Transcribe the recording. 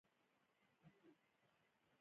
افغانستان به زرغون شي.